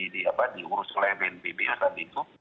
diurus oleh bnpb saat itu